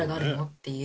っていう。